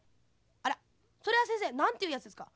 あらそれはせんせいなんていうやつですか？